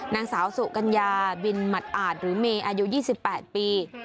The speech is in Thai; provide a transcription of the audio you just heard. นางสาวสุกัญญาบินหมัดอาจหรือเมย์อายุ๒๘ปี